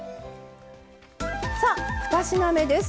さあ２品目です。